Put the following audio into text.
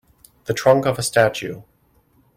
The trunk of a statue.